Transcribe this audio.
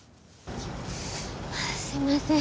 すいません